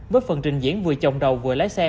với phần trình diễn vừa chồng đầu vừa lái xe